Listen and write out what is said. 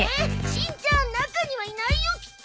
しんちゃん中にはいないよきっと。